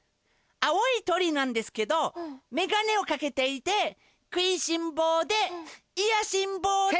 青いとりなんですけどめがねをかけていてくいしんぼうでいやしんぼうで。